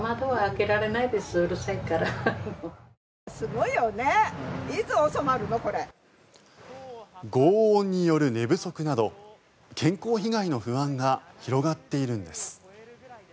ごう音による寝不足など健康被害の不安が広がっているんです。